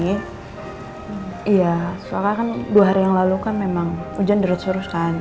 iya soalnya kan dua hari yang lalu kan memang ujian derut serus kan